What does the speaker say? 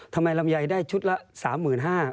ทำไมรำยัยได้ชุดละ๓๕๐๐๐วินาที